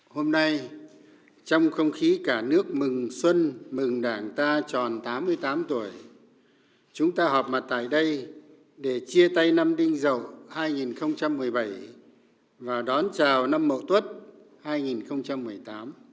hôm nay trong không khí cả nước mừng xuân mừng đảng ta tròn tám mươi tám tuổi chúng ta họp mặt tại đây để chia tay năm đinh rộng hai nghìn một mươi bảy và đón chào năm mậu tuất hai nghìn một mươi tám